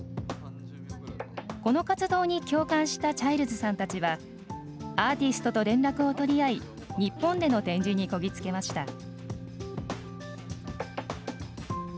この活動に共感したチャイルズさんたちはアーティストと連絡を取り合い日本での展示にこぎつけました。